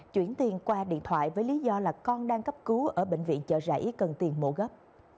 chuyển tiền qua điện thoại với lý do là con đang cấp cứu ở bệnh viện chợ rẫy cần tiền mổ gấp